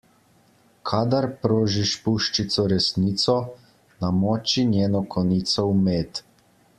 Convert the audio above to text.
Kadar prožiš puščico resnico, namoči njeno konico v med.